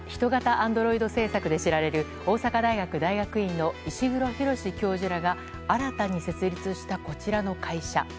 アンドロイド製作で知られる大阪大学大学院の石黒浩教授らが新たに設立した、こちらの会社。